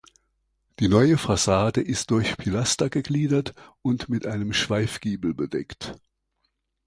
Die neue Fassade ist durch Pilaster gegliedert und mit einem Schweifgiebel bedeckt.